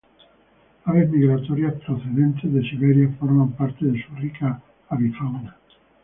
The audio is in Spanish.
Aves migratorias procedentes de Siberia forman parte de su rica avifauna.